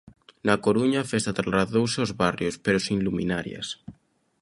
Na Coruña, a festa trasladouse aos barrios, pero sen luminarias.